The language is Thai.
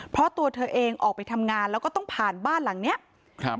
เพราะตัวเธอเองออกไปทำงานแล้วก็ต้องผ่านบ้านหลังเนี้ยครับ